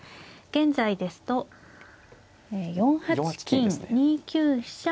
現在ですと４八金２九飛車